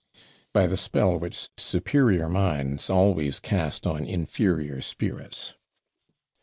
'By the spell which superior minds always cast on inferior spirits.'